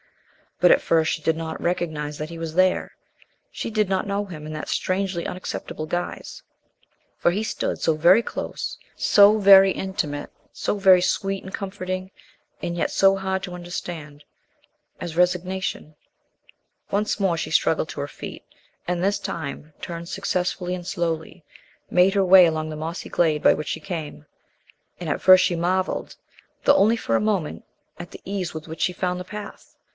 But at first she did not recognize that He was there; she did not know Him in that strangely unacceptable guise. For He stood so very close, so very intimate, so very sweet and comforting, and yet so hard to understand as Resignation. Once more she struggled to her feet, and this time turned successfully and slowly made her way along the mossy glade by which she came. And at first she marveled, though only for a moment, at the ease with which she found the path.